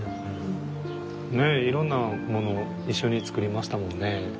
ねえいろんなものを一緒に作りましたもんね。